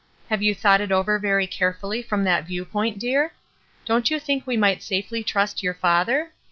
Have you thought it over very carefully from that viewpoint, dear? Don't you think we might safely trust your father?